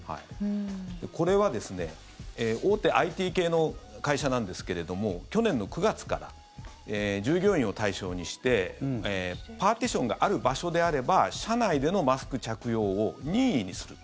これは、大手ＩＴ系の会社なんですけれども去年の９月から従業員を対象にしてパーティションがある場所であれば社内でのマスク着用を任意にすると。